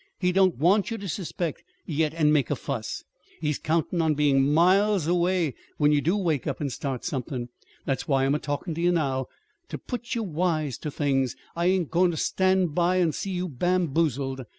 He don't want ye ter suspect, yet, an' make a fuss. He's countin' on bein' miles away when ye do wake up an' start somethin'. That's why I'm a talkin' to ye now ter put ye wise ter things. I ain't goin' ter stand by an' see you bamboozled.